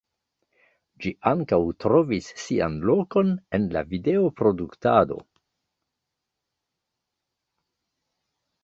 Ĝi ankaŭ trovis sian lokon en la video-produktado.